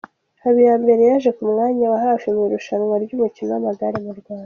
Habiyambere yaje ku mwanya wa hafi mu irushanywa ryumukino wamagare mu Rwanda”